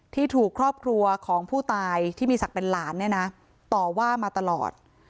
ที่ถูกครอบครัวของผู้ตายที่มีศักดิ์เป็นหลานเนี่ยนะต่อว่ามาตลอด